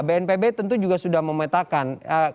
bnpb tentu juga sudah memetakan